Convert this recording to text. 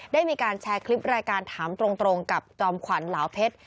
ได้มีการแชร์คลิปรายการถามตรงกับจอมขวัญเหลาเพชร